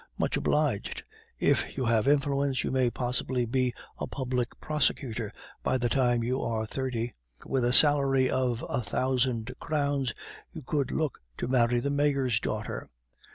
Much obliged! If you have influence, you may possibly be a Public Prosecutor by the time you are thirty; with a salary of a thousand crowns, you could look to marry the mayor's daughter.